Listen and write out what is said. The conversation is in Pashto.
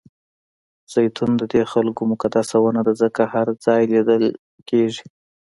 زیتون ددې خلکو مقدسه ونه ده ځکه هر ځای لیدل کېږي.